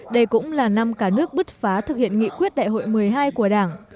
đây cũng là năm cả nước bứt phá thực hiện nghị quyết đại hội một mươi hai của đảng